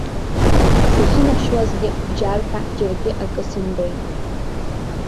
Сахьынаԥшуазгьы бџьарҳәа џьаргьы акы сымбеит.